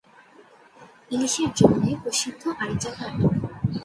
ইলিশ এর জন্যে প্রসিদ্ধ আরিচা ঘাট।